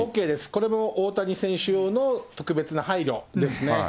これも大谷選手用の特別な配慮ですね。